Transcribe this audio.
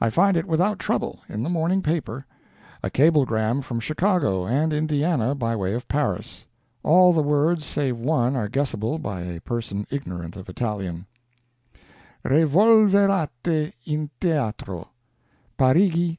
I find it without trouble, in the morning paper; a cablegram from Chicago and Indiana by way of Paris. All the words save one are guessable by a person ignorant of Italian: Revolverate in teatro PARIGI, 27.